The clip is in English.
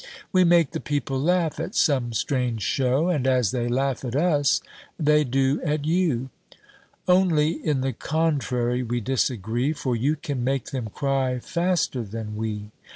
We make the people laugh at some strange show, And as they laugh at us, they do at you; Only i' the contrary we disagree, For you can make them cry faster than we.